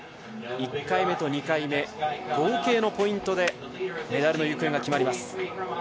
１回目と２回目合計のポイントでメダルの行方が決まります。